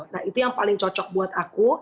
nah itu yang paling cocok buat aku